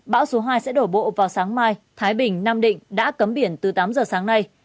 bão số hai sẽ đổ bộ vào sáng mai thái bình nam định đã cấm biển từ tám giờ sáng nay